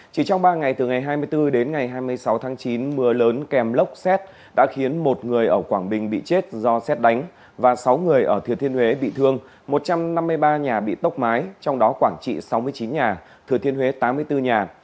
chỉ trong ba ngày từ ngày hai mươi bốn đến ngày hai mươi sáu tháng chín mưa lớn kèm lốc xét đã khiến một người ở quảng bình bị chết do xét đánh và sáu người ở thừa thiên huế bị thương một trăm năm mươi ba nhà bị tốc mái trong đó quảng trị sáu mươi chín nhà thừa thiên huế tám mươi bốn nhà